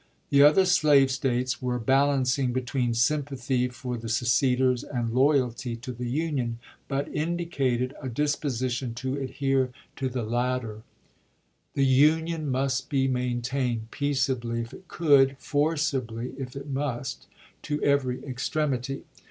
The other slave States were balancing be tween sympathy for the seceders and loyalty to the Union, but indicated a disposition to adhere to the THE QUESTION OF SUMTER 387 latter. The Union must be maintained, peaceably ch. xxiii. if it could, forcibly if it must, to every extremity.